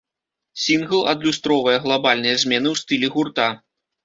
Сінгл адлюстроўвае глабальныя змены ў стылі гурта.